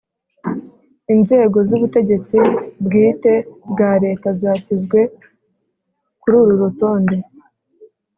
i nzego z ubutegetsi bwite bwa Leta zashyizwe kuru r’ urutonde